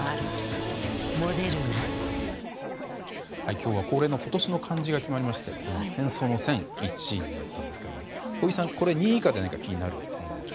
今日は恒例の今年の漢字が決まりまして戦争の「戦」が１位になりましたが小木さん、２位以下で気になるものは。